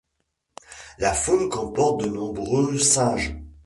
La faune comporte de nombreux singes.